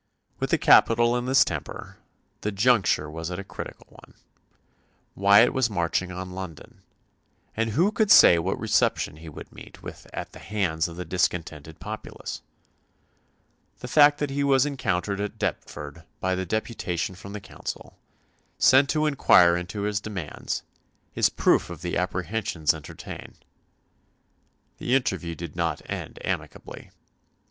With the capital in this temper, the juncture was a critical one. Wyatt was marching on London, and who could say what reception he would meet with at the hands of the discontented populace? The fact that he was encountered at Deptford by a deputation from the Council, sent to inquire into his demands, is proof of the apprehensions entertained. The interview did not end amicably.